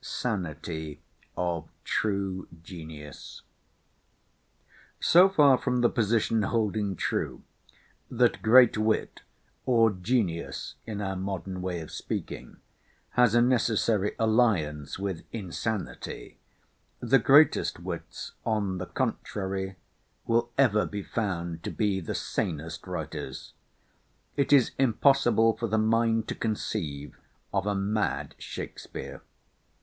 SANITY OF TRUE GENIUS So far from the position holding true, that great wit (or genius, in our modern way of speaking), has a necessary alliance with insanity, the greatest wits, on the contrary, will ever be found to be the sanest writers. It is impossible for the mind to conceive of a mad Shakspeare.